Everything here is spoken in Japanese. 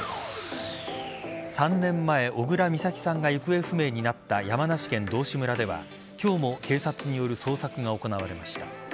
３年前小倉美咲さんが行方不明になった山梨県道志村では今日も警察による捜索が行われました。